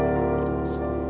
ngapain sih ini orang